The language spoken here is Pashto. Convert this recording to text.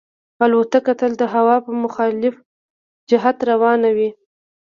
الوتکه تل د هوا په مخالف جهت روانه وي.